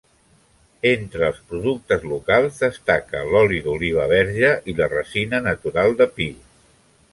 Entre els productes locals destaca l'oli d'oliva verge i la resina natural de pi.